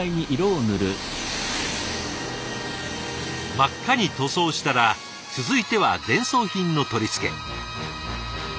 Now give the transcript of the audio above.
真っ赤に塗装したら続いては電装品の取り付け。